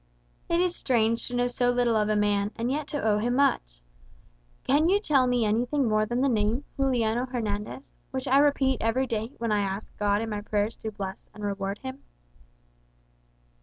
"It is strange to know so little of a man, and yet to owe him so much. Can you tell me anything more than the name, Juliano Hernandez, which I repeat every day when I ask God in my prayers to bless and reward him?"